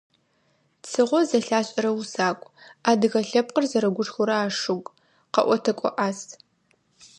Цыгъо зэлъашӀэрэ усакӀу, адыгэ лъэпкъыр зэрыгушхорэ ашуг, къэӀотэкӀо Ӏаз.